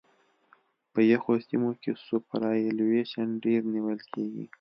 په یخو سیمو کې سوپرایلیویشن ډېر نیول کیږي